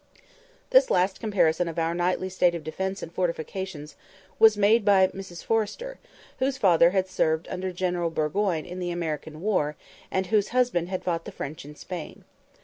This last comparison of our nightly state of defence and fortification was made by Mrs Forrester, whose father had served under General Burgoyne in the American war, and whose husband had fought the French in Spain.